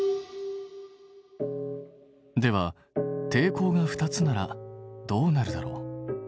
では抵抗が２つならどうなるだろう。